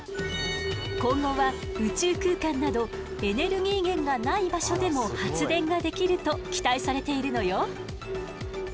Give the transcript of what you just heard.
今後は宇宙空間などエネルギー源がない場所でも発電ができると期待されているのよ。